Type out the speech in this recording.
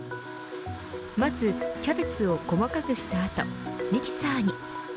まずキャベツを細かくした後ミキサーに。